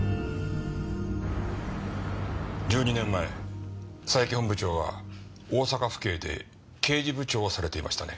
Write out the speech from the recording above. １２年前佐伯本部長は大阪府警で刑事部長をされていましたね？